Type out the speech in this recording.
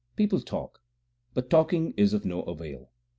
People talk, but talking is of no avail.